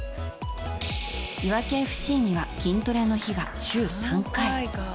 いわきＦＣには筋トレの日が週３回。